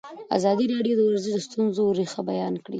ازادي راډیو د ورزش د ستونزو رېښه بیان کړې.